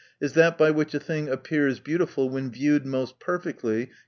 is that by which a thing appears beautiful when viewed most perfectly, com.